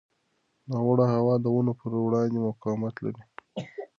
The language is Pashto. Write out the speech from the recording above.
ناوړه هوا د ونو پر وړاندې مقاومت لري.